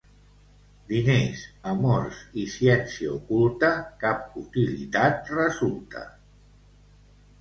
Diners, amors i ciència oculta, cap utilitat resulta.